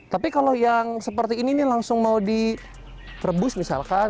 tapi kalau yang seperti ini langsung mau direbus misalkan